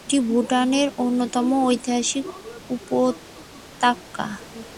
এটি ভুটানের অন্যতম ঐতিহাসিক উপত্যকা।